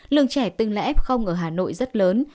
lương trẻ từng là f ở hà nội rất lớn